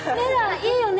いいよね！